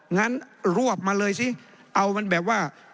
งั้นรวบมาเลยสิเอามันแบบว่า